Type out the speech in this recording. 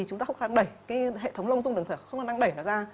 chúng ta không khó đẩy cái hệ thống lông dung đường thở không có năng đẩy nó ra